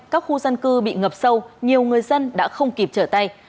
các khu dân cư bị ngập sâu nhiều người dân đã không kịp trở tay